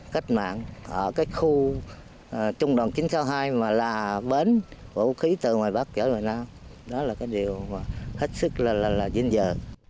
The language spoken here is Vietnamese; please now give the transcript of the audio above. cách mạng ở cái khu trung đoàn chín trăm sáu mươi hai mà là bến vũ khí từ ngoài bắc trở hoài nam đó là cái điều mà hết sức là vinh dự